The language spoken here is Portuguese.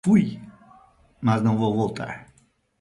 Fui! Não vou mais voltar.